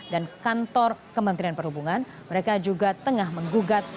dan kantor kementerian perhubungan mereka juga tengah menggugat